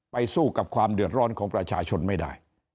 สู้กับความเดือดร้อนของประชาชนไม่ได้